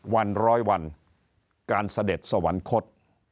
วันร้อยวันการเสด็จสวรรคต